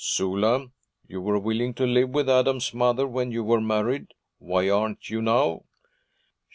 'Sula, you were willing to live with Adam's mother when you were married. Why aren't you now?'